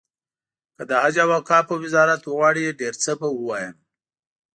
که د حج او اوقافو وزارت وغواړي ډېر څه به ووایم.